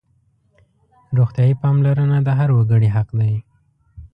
روغتیايي پاملرنه د هر وګړي حق دی.